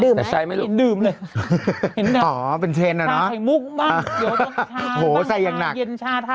ดื่มไหมดื่มเลยเห็นไหมชาไข่มุกบ้างเดี๋ยวต้องชาบ้างชาเย็นชาไทย